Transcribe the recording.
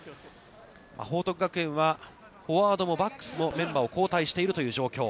報徳学園はフォワードもバックスもメンバーを交代しているという状況。